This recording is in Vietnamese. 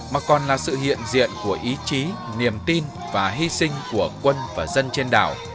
mà còn là sự hiện diện của ý chí niềm tin và hy sinh của quân và dân trên đảo